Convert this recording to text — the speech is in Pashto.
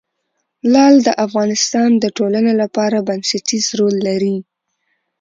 لعل د افغانستان د ټولنې لپاره بنسټيز رول لري.